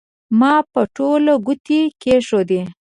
ما به ټولې ګوتې کېښودې.